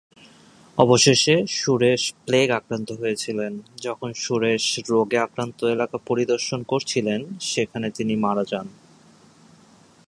অবশেষে সুরেশ প্লেগ আক্রান্ত হয়েছিলেন, যখন সুরেশ রোগে আক্রান্ত এলাকা পরিদর্শন করছিলেন সেখানে তিনি মারা যান।